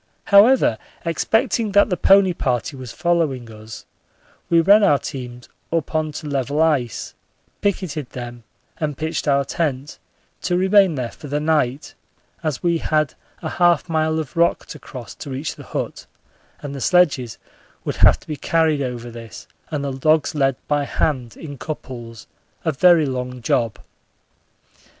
However, expecting that the pony party was following us, we ran our teams up on to level ice, picketed them, and pitched our tent, to remain there for the night, as we had a half mile of rock to cross to reach the hut and the sledges would have to be carried over this and the dogs led by hand in couples a very long job.